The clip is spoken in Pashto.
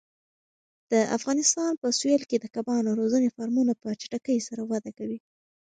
د افغانستان په سویل کې د کبانو روزنې فارمونه په چټکۍ سره وده کوي.